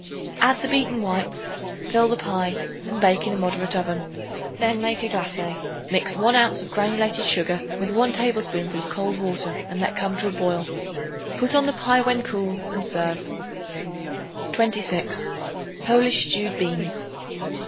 Add the beaten whites; fill the pie and bake in a moderate oven. Then make a glacé. Mix 1 ounce of granulated sugar with 1 tablespoonful of cold water and let come to a boil. Put on the pie when cool and serve. 26. Polish Stewed Beans.